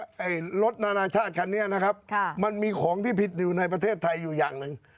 ไอ้รถนานาชาติคันนี้นะครับค่ะมันมีของที่ผิดอยู่ในประเทศไทยอยู่อย่างหนึ่ง